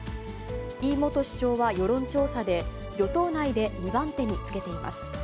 イ元首相は、世論調査で、与党内で２番手につけています。